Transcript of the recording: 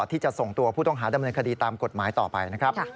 ที่จะส่งตัวผู้ต้องหาดำเนินคดีตามกฎหมายต่อไปนะครับ